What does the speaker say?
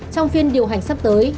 trong phiên điều hành sắp tới